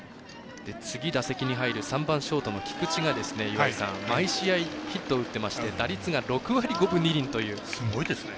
次、打席に入る３番ショートの菊地が毎試合、ヒットを打ってまして打率が６割２分５厘という。